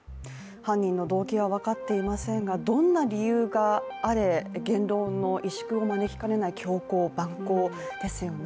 犯人の動機は分かっていませんがどんな理由があれ言論の萎縮を招きかねない凶行ですよね。